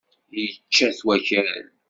Yečča-t wakal.